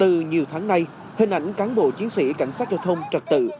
từ nhiều tháng nay hình ảnh cán bộ chiến sĩ cảnh sát giao thông trật tự